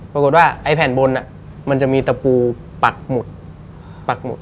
ปรากฏว่าแผ่นบนมันจะมีแต่ปูปักมุด